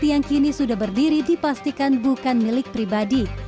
yang kini sudah berdiri dipastikan bukan milik pribadi